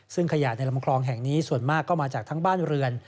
ซึ่งขยะในลำคลองแห่งนี้ส่วนมากก็มาจากทั้งบ้านเรือน